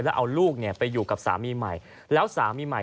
แล้วเอาลูกเนี่ยไปอยู่กับสามีใหม่